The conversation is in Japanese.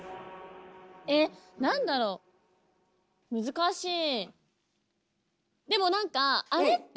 えっなんだろう難しい。